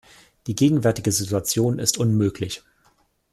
Die gegenwärtige Situation ist unmöglich.